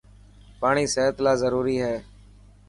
پاڻي صحت لاءِ ضروري هي.